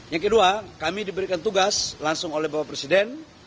yang kedua kami diberikan tugas langsung oleh bapak presiden